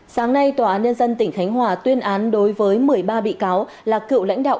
sáng nay tòa án nhân dân tỉnh khánh hòa tuyên án đối với một mươi ba bị cáo là cựu lãnh đạo